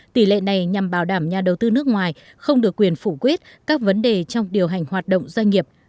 tỷ lệ này nhằm bảo đảm nhà đầu tư nước ngoài không được quyền phủ quyết các vấn đề trong điều hành hoạt động doanh nghiệp